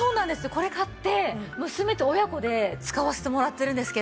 これ買って娘と親子で使わせてもらってるんですけど。